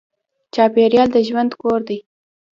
چاپېریال د ژوند کور دی.